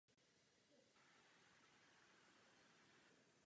V tuto dobu ztratila skupina svůj originální visual kei.